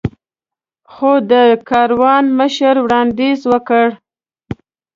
خو د کاروان مشر وړاندیز وکړ.